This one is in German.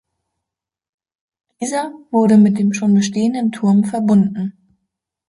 Dieser wurde mit dem schon bestehenden Turm verbunden.